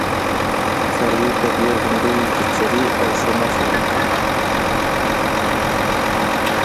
څاروي په دې غونډیو کې څري او ښه نسل ورکوي.